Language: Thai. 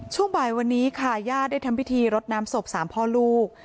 ช่วงบ่ายวันนี้ค่ะญาติได้ทำพิธีรดน้ำศพ๓พ่อลูก